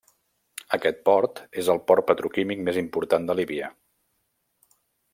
Aquest port és el port petroquímic més important de Líbia.